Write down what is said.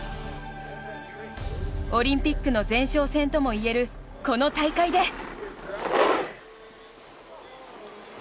オリンピックの前哨戦ともいえるこの大会で。